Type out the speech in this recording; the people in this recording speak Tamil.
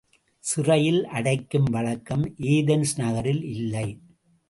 சிறையில் அடைக்கும் வழக்கம் ஏதென்ஸ் நகரில் இல்லை.